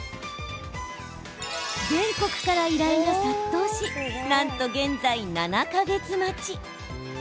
全国から依頼が殺到しなんと現在７か月待ち。